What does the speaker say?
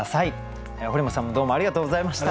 堀本さんもどうもありがとうございました。